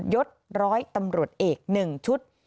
ยศ๑๐๐ตำรวจเอก๑ชุด